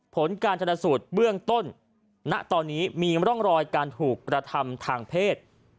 ผลการชนสูตรเบื้องต้นณตอนนี้มีร่องรอยการถูกกระทำทางเพศ